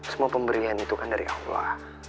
semua pemberian itu kan dari allah